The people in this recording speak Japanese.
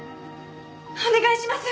お願いします！